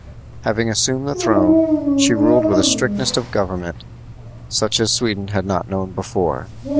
Having assumed the throne, she ruled with a strictness of government such as Sweden had not known before.